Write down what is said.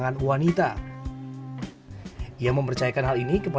kalau saya tuh susah banget